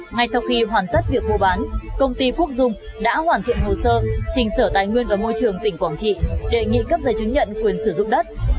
ngay sau khi hoàn tất việc mua bán công ty quốc dung đã hoàn thiện hồ sơ trình sở tài nguyên và môi trường tỉnh quảng trị đề nghị cấp giấy chứng nhận quyền sử dụng đất